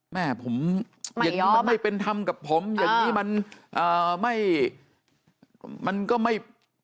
แม่ผมอย่างนี้มันไม่เป็นธรรมกับผมอย่างนี้มันไม่มันก็ไม่